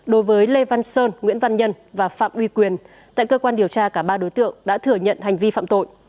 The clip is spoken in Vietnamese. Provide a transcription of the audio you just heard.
đối với lê văn sơn nguyễn văn nhân và phạm uy quyền tại cơ quan điều tra cả ba đối tượng đã thừa nhận hành vi phạm tội